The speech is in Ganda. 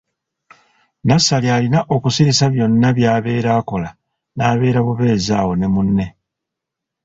Nassali alina okusirisa byonna by'abeera akola n'abeera bubeezi awo ne munne.